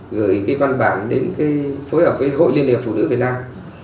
gửi văn bản đến phối hợp với hội liên hiệp phụ nữ việt nam